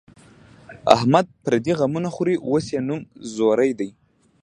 احمد پردي غمونه خوري، اوس یې نوم ځوری دی.